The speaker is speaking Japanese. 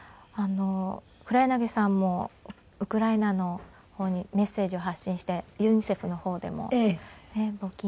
黒柳さんもウクライナの方にメッセージを発信してユニセフの方でも募金を呼びかけて。